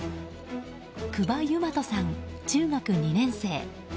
久場雄真人さん、中学２年生。